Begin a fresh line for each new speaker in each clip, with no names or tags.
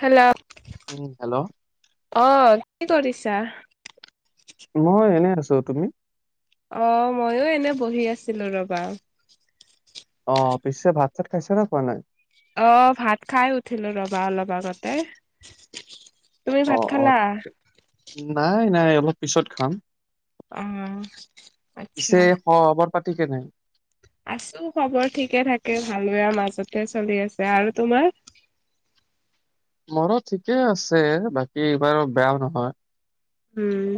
Hello?
Hello?
অ কি কৰিছা?
চ তুমি?
অ', মইো এনে বহি আছিলো ৰবা।
অ', পিছে ভাত চাত খাইছে নে পোৱা নাই?
অ, ভাত খাই উঠিলো ৰবা অলপ আগতে। তুমি ভাত
অ'-অ',
খালা?
ঠিক, নাই-নাই অলপ পিছত খাম।
অ'। আচ্ছা।
পিছে খবৰ পাতি কেনে?
আছো খবৰ ঠিকে থাকে ভাল বোৰ মাজতে চলি আছে আৰু তোমাৰ? [inaudible]
মোৰো ঠিকে আছে বাকী এইবাৰ বেয়াও নহয়।
উম'।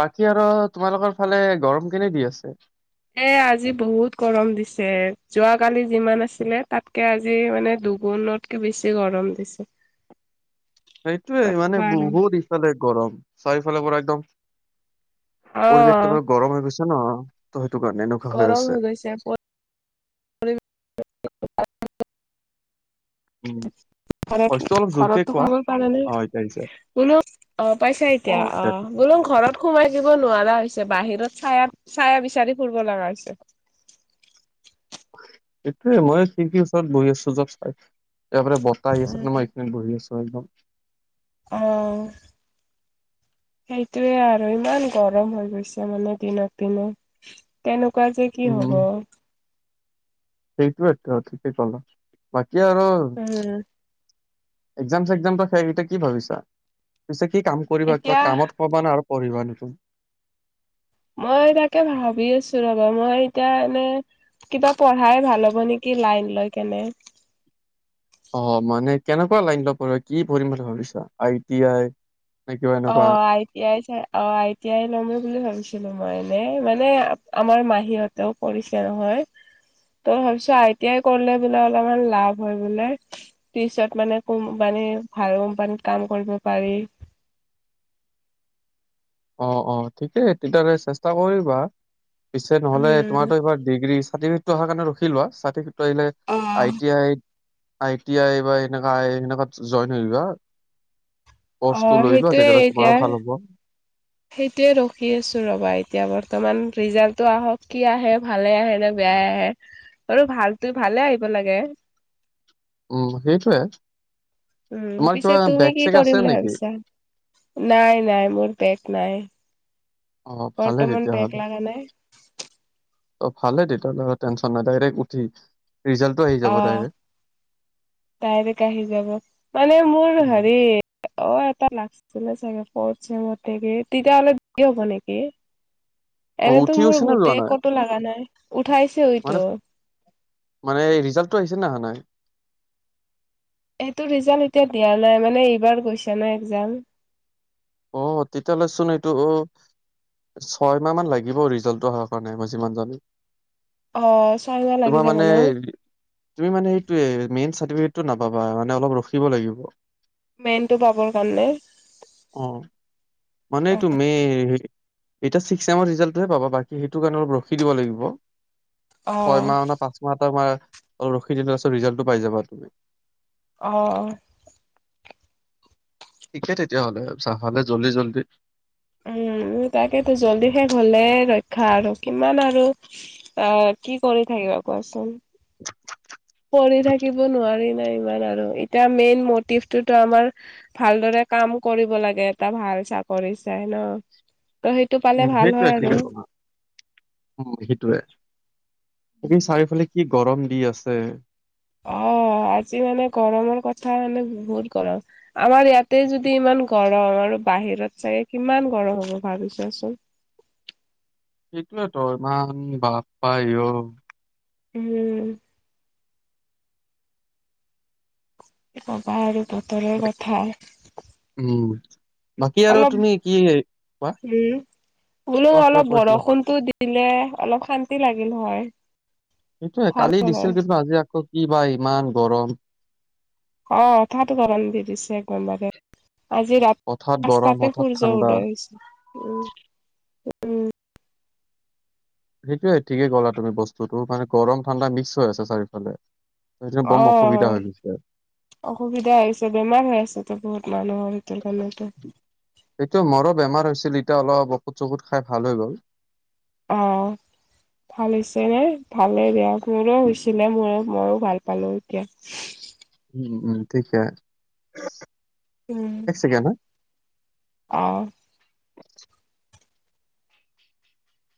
বাকী আৰু তোমালোকৰ ফালে গৰম কেনে দি আছে?
এ আজি বহুত গৰম দিছে যোৱাকালি যিমান আছিলে তাতকে আজি মানে দুগুণতকে বেছি গৰম দিছে।
সেইটোয়ে মানে
নকবা আৰু।
বহুত ইফালে গৰম চাৰিওফালে পৰা একদম
অ
পৰিৱেশটো বাৰ গৰম হৈ গৈছে ন? ত' সেইটো কাৰণে এনেকুৱা হৈ
গৰম
আছে।
গৈছে। [unintelligible] [inaudible]
উম'।
হয় কি
ভইচটো অলপ জোৰকে
ঘৰতৰতটো
কোৱা,
কম পাৰে নে?
অ', এতিয়া আহিছে।
বোলো অ, পাইছা এতিয়া অ', বোলো ঘৰত সোমাই দিব নোৱাৰা হৈছে বাহিৰত চাইাত চায় বিচাৰি ফুৰিব লগা হৈছে।
এইটোয়ে মই খিৰিকি ওচৰত বহি আছো জব চাই তাৰপ বতাহ আহি আছে কাৰণে মই এইখিনিত বহি আছো একদম।
অ'। সেইটোৱে আৰু ইমান গৰম হৈ গৈছে মানে দিনক দিনে। তেনেকুৱা শোক যে কি হব।
সেইটোৱেত ঠিকেই কলা বাকী আৰু
উম
একজাম চকজাম শেষ এতিয়া কি ভাবিছা পিছে কি কাম কৰিবা কিবা
এতিয়া
কামত পবা না আৰু পঢ়িবা নতুন
মই তাকে ভাবি আছো ৰবা মই এতিয়া এনে কিবা পঢ়াই ভাল হ'ব নেকি লাইন লৈ কেনে
অ মানে কেনেকুৱা লাইন লয় পঢ়ি কি পঢ়িম বুলি ভাবিছা আই টি আই নে কিবা
অ
এনেকুৱা?
আই টি আই চাই অ আই টি আই লমেই বুলি ভাবিছো ছিলো মই এনে মানে আমাৰ মাহীহঁতেও পঢ়িছে নহয় ত ভাবিছোঁ আই টি আই কৰিলে বোলে অলপমান লাভ হয় বোলে পিছত মানে কোম্পানী ভাল কোম্পানীত কাম কৰিব পাৰি
অ'-অ', ঠিকেই তেতিয়াহ'লে চেষ্টা কৰিবা। পিছে নহলে
উম
তোমাৰটো এইবাৰ ডিগ্ৰী চাৰ্টিফিকেটো অহা কাৰণে ৰখি লোৱা, চাৰটি আহিলে
অ।
আই টি আইত আই টি আই বা এনেকা আই সেনেকুৱা জইন হৈ লোৱা।
অ
পস্তু লৈ লোৱা
সেইটোয়ে
তেতিয়াহ'লে
এতিয়া
তোমাৰো ভাল হ'ব।
সেইটোয়ে ৰখি আছো ৰবা এতিয়া বৰ্তমান ৰিজাল্টটো আহক কি আহে ভালে আহে নে আৰু ভালটো ভালে আহিব লাগে।
উম', সেইটোৱে।
উম পিছে তুমি কি কৰিম বুলি
নেকি?
ভাবিছা নাই নাই মোৰ বেগ নাই
অ', ভালে
বৰ্তমান
তেতিয়াহ'লে।
বেগ লগা নাই
অ ভালে তেতিয়াহলে টেনচন নাই ডাইৰেক্ট উঠি ৰিজাল্টটো আহি যাব দাইৰেক্ট
দাইৰেক্ট আহি যাব মানে মোৰ
উম,
হেৰি অ এটা লাগছিলে চাগে ফৰ্ট চেমতে তেতিয়াহলে দেৰি হ'ব নেকি
অ
এনেতো
উঠি
মোৰ
গৈছে নে যোৱা
গোটেই
নাই
ক'তো লগা নাই উঠাইছে
মানে
ঐতো
মানে ৰিজাল্টটো আহিছে নে অহা নাই
এইটো ৰিজাল্ট এতিয়া দিয়া নাই মানে এইবাৰ গৈছে ন একজাম
অ তেতিয়াহলে চোন এইটো অ ছয় মাহ মান লাগিব ৰিজাল্টটো অহাৰ কাৰণে মই যিমান জানো
অ ছয়মাহ লাগি
তোমাৰ
যাব
মানে
ন
তুমি মানে সেইটোৱেই মেইন চাৰ্টিফিকেট টো নাপাবা মানে অলপ ৰখিব লাগিব
মেইনটো পাবৰ কাৰণে
অ মানে তুমি এতিয়া ছিক্স ছেমৰ ৰিজাল্টটোহে পাবা বাকী সেইটো কাৰণে অলপ ৰখি দিব লাগিব
অ
ছয় মাহ পাঁচ মাহ এটা ৰখি দিলে ৰিজাল্টটো পাই যাবা তুমি
অ
ঠিকে তেতিয়াহ'লে চাহলে জল্দি জল্দি
উম তাকেইতো জল্দি শেষ হলে ৰক্ষা আৰু কিমান আৰু অ কি কৰি থাকিবা কোৱাচোন পঢ়ি থাকিব নোৱাৰিম ইমান আৰু এতিয়া মেইন মটিভটোতো আমাৰ ভালদৰে কাম কৰিব লাগে এটা ভাল চাকৰি চাই ন ত' সেইটো পালে
উম
ভাল হয়
সেইটোৱে
আৰু
উম সেইটোৱে তুমি চাৰিওফালে কি গৰম দি আছে
অ আজি মানে গৰমৰ কথা মানে বহুত গৰম আমাৰ ইয়াতে যদি ইমান গৰম আৰু বাহিৰত চাগে কিমান গৰম হ'ব ভাবিছা চোন
সেইটোয়ে ত ইমান বাপপা অ
উম কি কবা আৰু বতৰৰ কথা
উম বাকী আৰু
অলপ
তুমি কি কোৱা
উম, বোলো
কোৱা কিবা
অলপ
কৈছিলা
বৰষুণটো দিলে অলপ শান্ তি লাগিল হয়।
সেইটোৱে,
ভাল
কালি
হ'ল
দিছিল
হয়
কিন্তু আজি আকৌ কি বা ইমান গৰম?
অ' হঠাৎ গৰম দি দিছে একদম বাৰে। আজি ৰা-
হঠাৎ গৰম
পাঁচটাতে
হঠাৎ
সূৰ্য
ঠাণ্ডা
উদয় হৈছে। উম, উম।
সেইটোৱে, ঠিকেই ক'লা তুমি বস্তুটো। মানে গৰম-ঠাণ্ডা মিক্স হৈ আছে চাৰিওফালে। সেইটো বম
অ'
অসুবিধা
হয়।
হৈ গৈছে
অসুবিধা হৈছে, বেমাৰ হৈ আছেতো বহুত। মানুহৰ ইটোৰ কাৰণেতো।
ছিল, এতিয়া অলপ অষুদ-চখুদ খাই ভাল হৈ গ'ল।
অ ভাল হৈছে নে ভালে বেয়া মোৰো হৈছিলে মোৰ ময়ো ভাল পালো এতিয়া
উম উম ঠিকে এক ছেকেণ্ড হা
অহ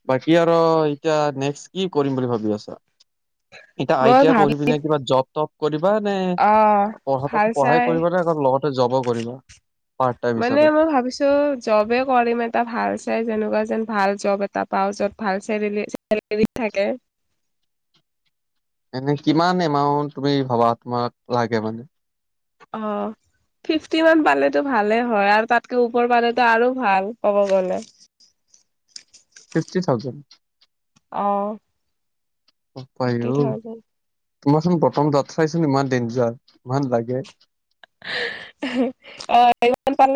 বাকী আৰু এতিয়া নেক্স কি কৰিম বুলি ভাবি আছা এতিয়া আই
মই
টি আই
ভাবি
পঢ়ি পিনে কিবা জব তপ কিবা নে
অ',
পঢ
ভাল
পঢ়াই
চাই
কৰিবা নে লগতে জবো কৰিবা পাৰ্ট টাইম
মানে
হিচাপে
মই ভাবিছোঁ, জবে কৰিম এটা ভাল চাই যেনেকুৱা যেন ভাল জব এটা পাওঁ য'ত ভাল ছেৰেলী- ছেলেৰী থাকে।
এনে কিমান এমাউন্ট তুমি ভবা তোমাক লাগে মানে?
অ'। ফিফটি মান পালেতো ভালে হয়। আৰু তাতকে ওপৰ পালেতো আৰু ভাল, ক'ব গ'লে।
Fifty thousand.
অ'।
বাপাই
থ্ৰী
ও,
থাউজেণ্ড
তোমাৰচোন প্ৰথম দাত চাইছ ইমান ডেঞ্জাৰ, ইমান লাগে।
হঁ, অ' ইমান [unintelligible] ভাল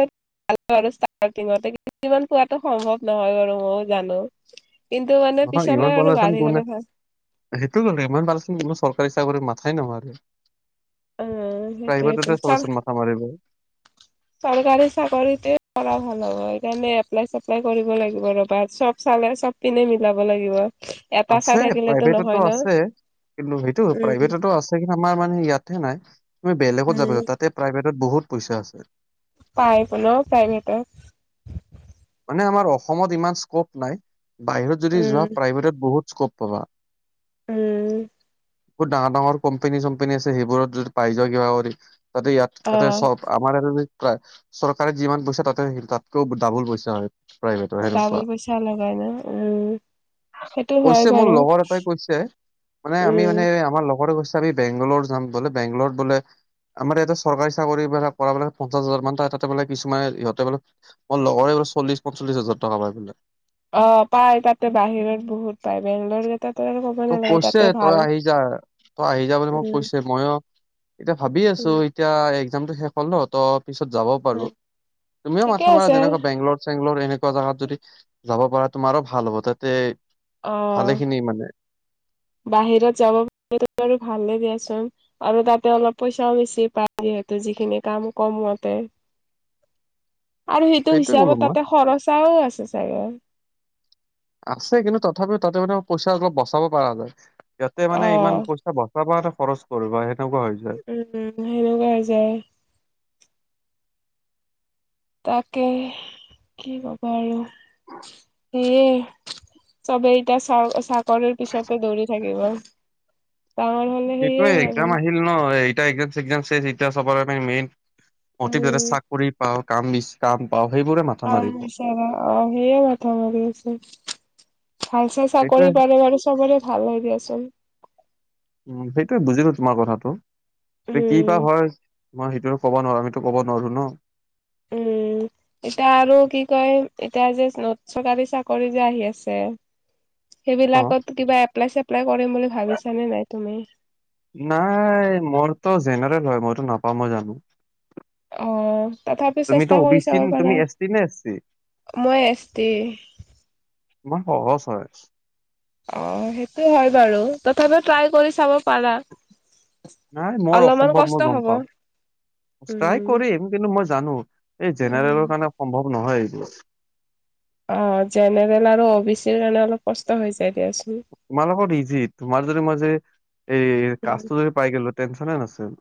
আৰু ষ্টাৰ্টিঙতে, কিন্তু ফিফটিমান পোৱাটো সম্ভৱ নহয় বাৰু, মইয়ো জানোঁ।
নহয়, ইমান পালেচোন কোনে- অ' সেইটো মানে, ইমান পালেচোন কোনো চৰকাৰী চাকৰি মাথাই নামাৰে।
অ',
প্ৰাইভেটতে চবে চব মাথা মাৰিব।
চৰকাৰী চাকৰিতে কৰা ভাল হ'ব। সেইকাৰণে এপ্লাই-ছেপ্লাই কৰিব লাগিব ৰ'বা। চব চালে- চব পিনে মিলাব লাগিব। এটা চাই
আছে,
থাকিলেতো নহয়
প্ৰাইভেটতো
ন
আছে। ‌ কিন্তু সেইটো
উম,
প্ৰাইভেটতো আছে। কিন্তু আমাৰ মানে ইয়াত হে নাই। তুমি বেলেগত
উম।
যাবা। তাতে প্ৰাইভেটত বহুত পইচা আছে।
পাই কোনেও প্ৰাইভেটৰ।
মানে আমাৰ অসমত ইমান স্কোপ নাই। বাহিৰত যদি যোৱা,
উম,
প্ৰাইভেটত বহুত স্কোপ পাবা।
উম।
বহুত ডাঙৰ - ডাঙৰ কোম্পেনী- ছোম্পেনী আছে, সেইবোৰত যদি পাই যোৱা কিবা কৰি তাতে ইয়াত তাতে
অ',
চ- আমাৰ ইতে যি পায়- চৰকাৰে যিমান পইচা, তাতে সে- তাতকেও ডাবুল পইচ
ডাবোল পইচা লগায় ন'? উম। সেইটো হয়
কৈছে মোৰ
বাৰু
লগৰ এটাই কৈছে, মানে আমি
উম।
মানে আমাৰ লগৰে কৈছে আমি বেংগলোৰ যাম বোলে, বেংগলোৰত বোলে আমাৰ ইয়াতে চৰকাৰী চাকৰিবিলাক কৰাবিলাক পঞ্চাশ হাজাৰ মান পায়। তাতে বোলে কিছুমান ইহঁতে বোলে মোৰ লগৰে চল্লিছ - পঞ্চলিছ হাজাৰ টকা পায় বোলে।
অ' পায় তাতে। বাহিৰত বহুত পায়। বেংলোৰকেইটাত
মোক কৈছে, তই আহি যা। তই আহি যা বুলি মোক
উম
কৈছে। মইয়ো এতিয়া ভাবি আছোঁ
উম
এতিয়া, এক্জামটো শেষ হ'ল ন', তো পিছত যাব পাৰোঁ।
উম
তুমিও
ঠিকে
মাথা মাৰা,
আছে
যেনেকুৱা বেংগলোৰ-চেংলোৰ এনেকুৱা জেগাত যদি যাব পৰা, তোমাৰো ভাল হ'ব। তাতে
অ
ভালেখিনি মানে
বাহিৰত যাব প [inaudible] বাৰু ভালে দিয়াচোন। আৰু তাতে অলপ পইচাও বেছি পায়। সিহতৰ যিখিনি কাম কমুৱতে আৰু সেইটো
সেইটোৱে ক'লো
হিচাপত
মই
তাতে খৰচাও আছে চাগে
আছে কিন্তু তথাপিও তাতে মানে পইচা অলপ বচাব পৰা যায় ইয়াতে মানে
অ
ইমান পইচা বচাব নে খৰচ কৰিব
উম সেনেকুৱা হৈ যায়। তাকে কি কবা আৰু সেয়ে চবেই ইটা চা চাকৰিৰ পিছতে দৌৰি থাকিব। ডাঙৰ হলে সেয়ে
সেইটোয়ে
আৰু
একজাম আহিল ন এ একজাম চেচজাম চেচ এতিয়া চবৰ মেইন অটিভি
উম
এটা চাকৰি পাওঁ কাম কাম পাওঁ সেইবোৰে মাথা
কাম
মাৰিব
বিচৰা অ সেইয়া মাথা মাৰি আছো ভাল চাই
সেইটোৱে
চাকৰি পালে বাৰু, চবৰে ভাল হয় দিয়াচোন।
টো বুজিলোঁ তোমাৰ কথাটো। তে কি বা
উম।
হয়? মই সেইটো আৰু ক'ব নোৱাৰোঁ। আমিতো ক'ব নোৱাৰোঁ ন'?
উম। এতিয়া আৰু কি কয়, এতিয়া যে নত- চৰকাৰী চাকৰি যে আহি আছে?
অ
সেইবিলাকতো কিবা এপ্লাই-চেপ্লাই কৰিম বুলি ভাবিছানে নাই তুমি?
নাই, মোৰতো জেনেৰেল হয়। মইতো নাপাম মই জানোঁ।
অহ তথাপি চেষ্টা কৰি
চি
চাব
তুমি
পাৰা।
এছ টি নে এছ চি
মই এছ টি
ইমান সহজ হয়।
অ সেইটো হয় বাৰু তথাপি ট্ৰাই কৰি চাব পাৰা।
নাই মোৰ
অলপমান
অসম্ভৱ
কষ্ট
মই গম
হ'ব
পাওঁ ট্ৰাই
উম।
কৰিম কিন্তু মই জানো এই
উম।
জেনেৰেলৰ কাৰণে অসম্ভৱ নহয় এইটো
অ জেনেৰেল আৰু অ বি চিৰ কাৰণে অলপ কষ্ট হৈছ-
তোমাৰ লগত ইজি তোমাৰ যদি মই যে এই
উম
কাজটো যদি পাই গলো টেনচনে নাছিল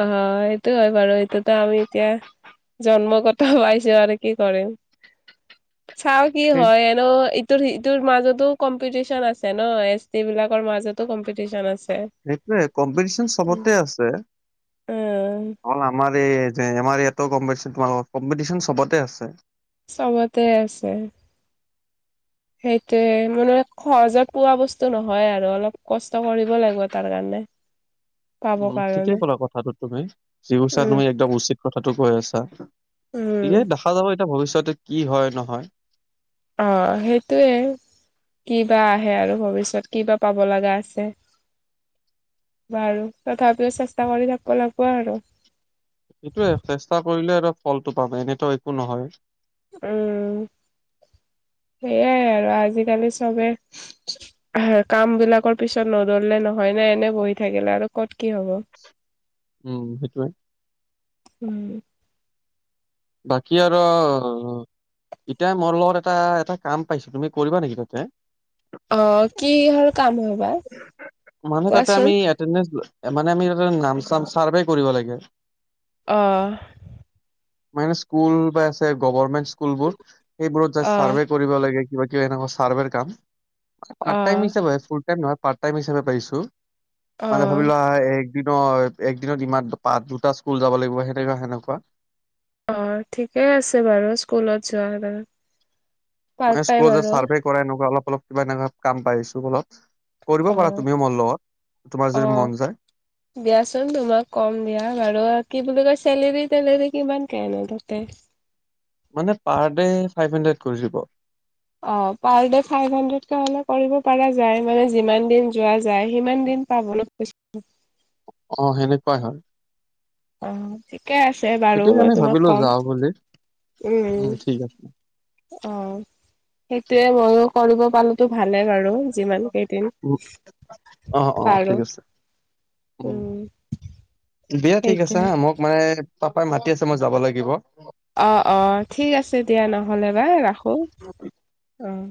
অ সেইটো হয় বাৰু এইটোতো আমি এতিয়া জন্মগত পাইছোঁ আৰু কি কৰিম। চাও কি
সেই
হয় এনো ইটোৰ ইটোৰ মাজতো কম্পিটিচন আছে ন এছ টি বিলাকৰ মাজতো কম্পিটিচন আছ -
সেইটোৱে কম কম্পিটিচন চবতে আছে
উম
অকল আমাৰ ই যে আমাৰ ইয়াত অ গম পাইছো কম্পিটিশন চবতে আছে।
চবতে আছে। সেইটোৱে মানে সহজত পোৱা বস্তু নহয় আৰু অলপ কষ্ট কৰিব লাগিব তাৰ কাৰণে। [inaudible]
উম ঠিকেই
কাৰণে
ক'লা কথাটো তুমি যি কৈছা
উম
তুমি একদম উচিত কথাটো কৈ আছা। এ
উম
দেখা যাব এতিয়া ভৱিষ্যতে কি হয় নহয়।
অ সেইটোৱে। কি বা আহে আৰু ভৱিষ্যত কিবা পাব লগা আছে। বাৰু তথাপিও চেষ্টা কৰি থাকিব লাগিব আৰু
সেইটোয়ে চেষ্টা কৰিলে আৰু ফলটো পাবা এনেতো একো নহয়।
উ উ সেইয়াই আৰু আজিকালি চবে কাম বিলাকৰ পিছত নদৌৰিলে নহয়। এ এনে বহি থাকিলে আৰু ক'ত কি হ'ব।
উম সেইটোৱে।
উম।
বাকি আৰু এতিয়া মোৰ লগত এটা এটা কাম পাইছো তুমি কৰিবা নেকি তাতে
অ' কিহৰ কাম হয় বা
মানুহ তাতে
কোৱাচোন?
আমি এটেনদেনছ্ মানে আমি তাতে নাম চাম চাৰ্ভে কৰিব লাগে।
অহ
মাইনা স্কুল বা আছে, গভমেন্ট স্কুল বোৰ সেইবোৰত
অ',
চাৰ্ভে কৰিব লাগে। কিবা-কিবা এনেকুৱা চাৰ্ভেৰ কাম, পাৰ্ট-টাইম
অ',
হিচাপে ফুল টাইম নহয়, পাৰ্ট-টাইম হিচাপে পাইছোঁ। মানে
অ',
ভাবিলোৱা এক দিনৰ, একদিনত ইমান পা, দুটা স্কুল যাব লাগিব সেনেকুৱা-সেনেকুৱা।
অহ', ঠিকেই আছে বাৰু স্কুলত যোৱা বাৰু
মই স্কুলত যে চাৰ্ভে কৰা, এনেকুৱা অলপ-অলপ কিবা এনেকুৱা কাম পাইছো অলপ। কৰিব পাৰা তুমিও মোৰ লগত। তোমাৰ যদি মন
অহ',
যায়
দিয়াচোন তোমাক কম দিয়া বাৰু কি বুলি কৈছে চেলেৰি-তেলেৰি কিমান কে নো তাতে?
মানে পাৰ ডে ফাইভ হাণ্ড্ৰেড কৰি দিব।
অহ পাৰ ডে ফাইভ হাণ্ড্ৰেডকে হ'লে কৰিব পৰা যায়, মানে যিমান দিন যোৱা যায় সিমান দিন [unintelligible]
অহ সেনেকুৱাই হয়।
অ, ঠিকে আছে বাৰু
সেইটো
মই
কাৰণে
তোমাক
ভাবিলো
কম।
যাওঁ বুলি
উম'।
ঠিক আছে
অহ', সেইটোৱেই কৰিব পালেতু ভালে বাৰু যিমান কেইদিন,
উম অ অ
পাৰো।
ঠিক আছে উম', দিয়া ঠিক আছে
সেইটোৱে
হা, মোক মানে পাপাই মাতি আছে মই যাব লাগিব।
অহ'-অহ', ঠিক আছে দিয়া নহ'লে বা ৰাখো, অহ'।